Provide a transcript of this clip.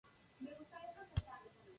Perenne con hojas basales.